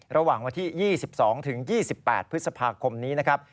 ระหว่างวันที่๒๒๒๘พฤษภาคมนี้นะครับ